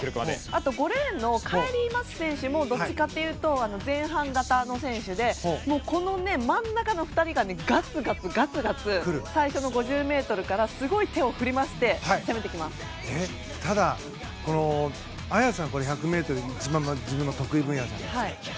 あと、５レーンのカイリー・マス選手もどっちかっていうと前半型の選手でこの真ん中の２人が、がつがつ最初の５０ｍからすごい手を振り回してただ、綾さん、１００ｍ一番、自分の得意分野じゃないですか。